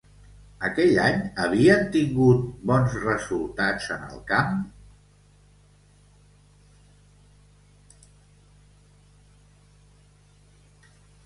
Aquell any havien tingut bons resultats en el camp?